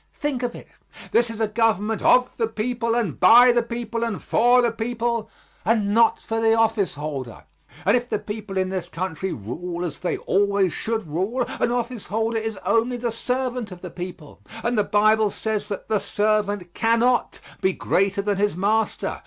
Think of it. This is a government of the people, and by the people, and for the people, and not for the office holder, and if the people in this country rule as they always should rule, an office holder is only the servant of the people, and the Bible says that "the servant cannot be greater than his master."